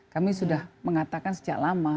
kami sudah mengatakan sejak lama